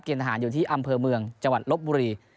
ทหารอยู่ที่อำเภอเมืองจังหวัดลบบุรี